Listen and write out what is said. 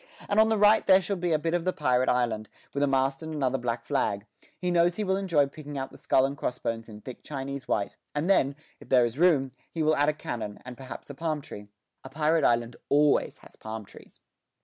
And on the right there shall be a bit of the pirate island, with a mast and another black flag he knows he will enjoy picking out the skull and cross bones in thick Chinese white and then, if there is room, he will add a cannon, and perhaps a palm tree. A pirate island always has palm trees.